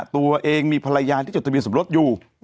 ตัวเองมีภรรยาที่จดทะเบียนสมรสอยู่